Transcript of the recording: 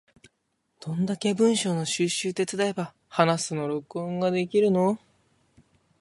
どんだけ文章の収集手伝えば話すの録音ができるの？